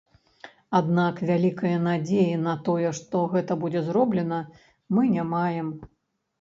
Аднак вялікае надзеі на тое, што гэта будзе зроблена, мы не маем.